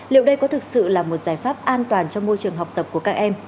liệu đây có thực sự là một giải pháp an toàn cho môi trường học tập của các em